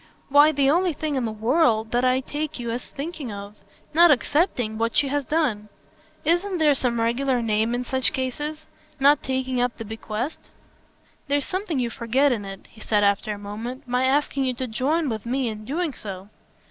"Why the only thing in the world that I take you as thinking of. Not accepting what she has done. Isn't there some regular name in such cases? Not taking up the bequest." "There's something you forget in it," he said after a moment. "My asking you to join with me in doing so."